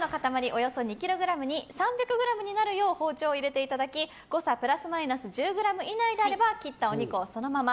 およそ２ｋｇに３００ｇになるよう包丁を入れていただき誤差プラスマイナス１０ｇ以内であれば切ったお肉をそのまま。